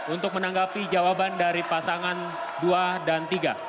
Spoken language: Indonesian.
untuk menanggapi jawaban dari pasangan dua dan tiga